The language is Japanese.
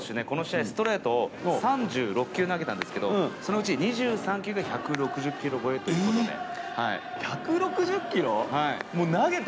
この試合、ストレートを３６球投げたんですけどそのうち２３球が１６０キロ超えということで。